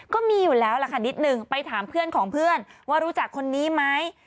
ก็มีอยู่แล้วล่ะค่ะนิดนึงไปถามเพื่อนของเพื่อนว่ารู้จักคนนี้ไหม